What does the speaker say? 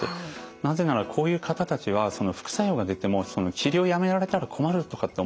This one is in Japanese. なぜならこういう方たちは副作用が出ても治療をやめられたら困るとかって思ってですね